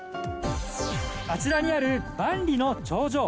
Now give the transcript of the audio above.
あちらにある万里の長城。